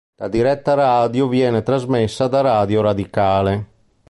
La diretta radio viene trasmessa da Radio Radicale..